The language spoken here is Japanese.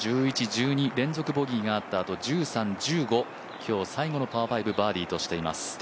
１１、１２、連続ボギーがあったあと１３、１５、今日最後のパー５、バーディーとしています。